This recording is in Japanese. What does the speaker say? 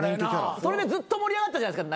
それでずっと盛り上がったじゃないですか。